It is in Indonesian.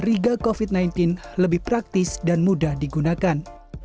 mereka mengatakan bahwa alat rapid test ini lebih praktis dan mudah digunakan